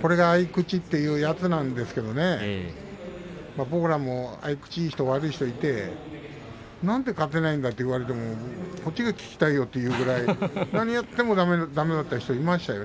これが合い口というやつなんですけれど僕らも合い口がいい人悪い人がいて何で勝てないんだ、と言われてもこっちが聞きたいよというぐらい何をやってもだめだった人はいましたよね。